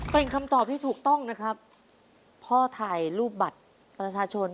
เป็นคำตอบที่ถูกต้องนะครับพ่อถ่ายรูปบัตรประชาชน